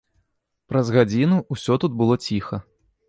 Праз гадзіну ўсё тут было ціха.